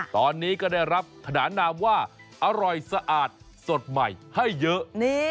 ตอนนี้ก็ได้รับขนานนามว่าอร่อยสะอาดสดใหม่ให้เยอะ